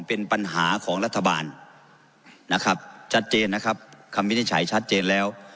เป็นปัญหาของรัฐบาลนะครับชัดเจนนะครับคำวินิจฉัยชัดเจนแล้ว